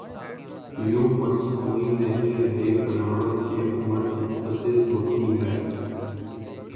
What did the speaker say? یوں مصنوعی نہیں رہیں بناوٹ کی عمر مختصر ہوتی ہے۔